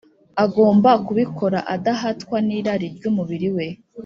agomba kubikora adahatwa n’irari ry’umubiri we